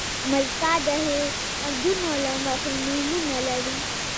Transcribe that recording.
مځکه د هېوادونو له مخې نومونه لري.